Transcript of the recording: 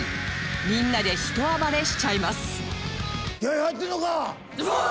みんなでひと暴れしちゃいます